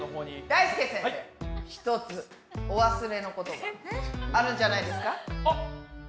ひとつお忘れのことがあるんじゃないですか？